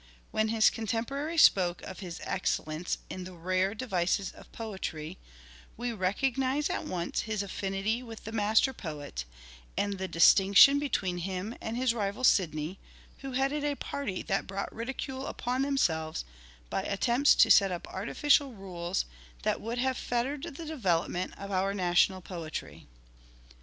When his contemporary spoke of his excellence in " the rare devices of poetry " we recognize at once his affinity with the master poet, and the distinction between him and his rival Sidney, who headed a party that brought ridicule upon themselves by attempts to set up artificial rules that would have fettered the 1 63 LYRIC POETRY OF EDWARD DE VERE 169 development of our national poetry.